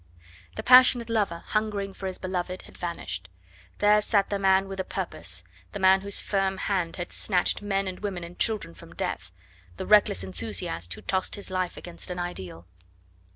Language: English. The passionate lover, hungering for his beloved, had vanished; there sat the man with a purpose, the man whose firm hand had snatched men and women and children from death, the reckless enthusiast who tossed his life against an ideal.